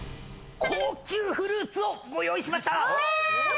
高級フルーツをご用意しました。